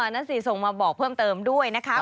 นั่นสิส่งมาบอกเพิ่มเติมด้วยนะคะ